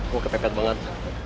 gua kepekat banget